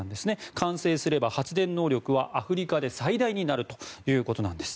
完成すれば発電能力はアフリカで最大になるということです。